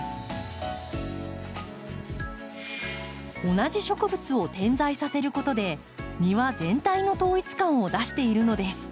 同じ植物を点在させることで庭全体の統一感を出しているのです。